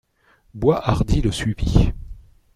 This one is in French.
Boishardy le suivit.